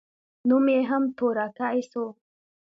نوم يې هم تورکى سو.